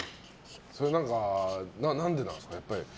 それは何でなんですか？